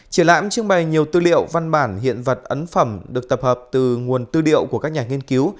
triển lãm trưng bày nhiều tư liệu văn bản hiện vật ấn phẩm được tập hợp từ nguồn tư liệu của các nhà nghiên cứu